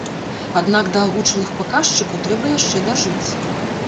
Аднак да агучаных паказчыкаў трэба яшчэ дажыць.